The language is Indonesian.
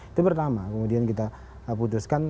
itu pertama kemudian kita putuskan